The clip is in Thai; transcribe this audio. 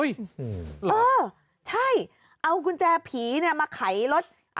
หึ่ยหรอเออใช่เอากุญแจผีมาไขรถึง